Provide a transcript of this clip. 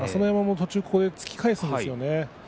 途中ここで突き返すんですね。